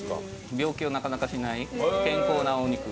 病気をなかなかしない健康なお肉。